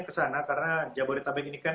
ke sana karena jabodetabek ini kan